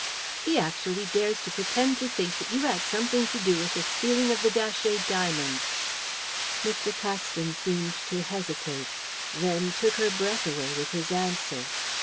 "He actually dares to pretend to think that you had something to do with the stealing of the Datchet diamonds." Mr. Paxton seemed to hesitate; then took her breath away with his answer.